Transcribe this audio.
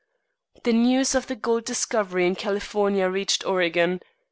The news of the gold discovery in California reached Oregon.